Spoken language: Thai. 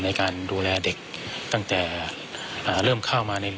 ในการดูแลเด็กตั้งแต่เริ่มเข้ามาใน